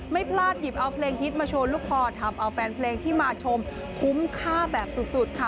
ไม่พลาดหยิบเอาเพลงฮิตมาโชว์ลูกคอทำเอาแฟนเพลงที่มาชมคุ้มค่าแบบสุดค่ะ